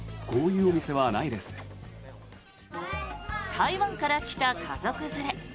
台湾から来た家族連れ。